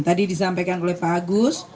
tadi disampaikan oleh pak agus